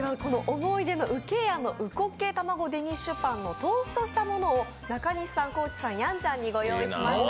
思い出の烏鶏庵の烏骨鶏卵デニッシュパンをトーストしたものを中西さん、高地さん、やんちゃんにご用意しました。